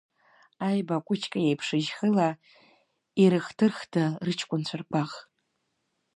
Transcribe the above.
Аиба Кәычка иеиԥш жьхыла, ирыхҭырхда рыҷкәынцәа ргәаӷ.